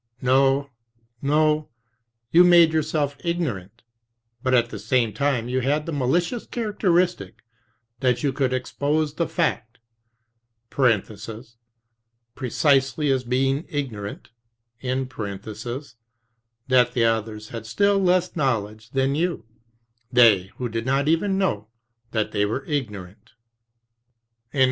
No, no, you made yourself ignorant; but at the same time you had the malicious characteristic that you could expose the fact (precisely as being ignorant) that the others had still less knowledge than you, they who did not even know that they were ignorant."